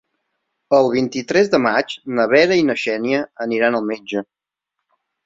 El vint-i-tres de maig na Vera i na Xènia aniran al metge.